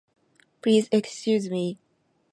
Please excuse me.